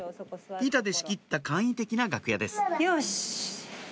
板で仕切った簡易的な楽屋ですよし！